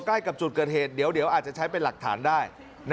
ใกล้กับจุดเกิดเหตุเดี๋ยวอาจจะใช้เป็นหลักฐานได้